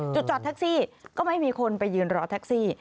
จอดแท็กซี่ก็ไม่มีคนไปยืนรอแท็กซี่